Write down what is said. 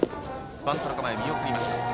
バントの構え、見送りました。